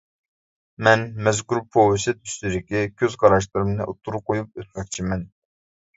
مەن مەزكۇر پوۋېست ئۈستىدىكى كۆز قاراشلىرىمنى ئوتتۇرىغا قويۇپ ئۆتمەكچىمەن.